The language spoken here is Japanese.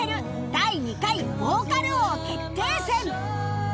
第２回ヴォーカル王決定戦